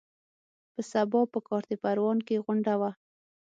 په سبا په کارته پروان کې غونډه وه.